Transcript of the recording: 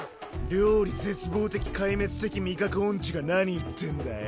料理絶望的壊滅的味覚オンチが何言ってんだよ。